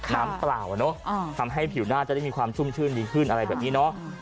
เปล่าอ่ะเนอะทำให้ผิวหน้าจะได้มีความชุ่มชื่นดีขึ้นอะไรแบบนี้เนาะ